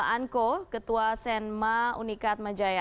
anko ketua senma unikat majaya